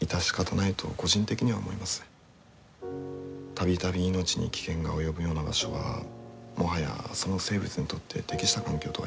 度々命に危険が及ぶような場所はもはやその生物にとって適した環境とは言えない。